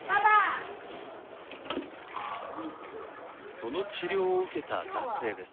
その治療を受けた男性です。